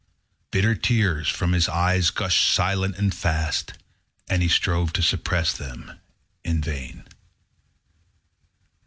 Bitter tears, from his eyes, gushed silent and fast; And he strove to suppress them in vain.